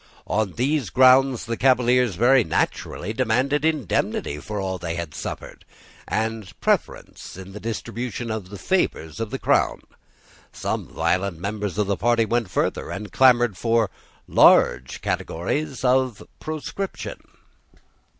On these grounds the Cavaliers very naturally demanded indemnity for all that they had suffered, and preference in the distribution of the favours of the Crown. Some violent members of the party went further, and clamoured for large categories of proscription.